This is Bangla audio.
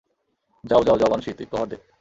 যাও যাও যাও বানশি, তুই কভার দে।